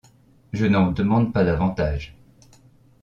Je n’en demande pas davantage.